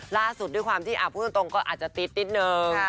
ล่าสุดด้วยความที่อ่าพูดตรงก็อาจจะติดนิดนึง